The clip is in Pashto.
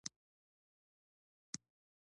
چنګلونه د افغانستان د امنیت په اړه هم اغېز لري.